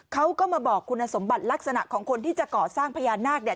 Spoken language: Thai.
เขาก็มาบอกคุณสมบัติลักษณะของคนที่จะก่อสร้างพญานาคเนี่ย